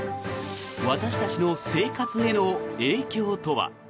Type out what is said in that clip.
私たちの生活への影響とは。